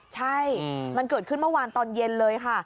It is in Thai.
ใช่มันเกิดขึ้นเมื่อวานตอนเย็นเลยค่ะ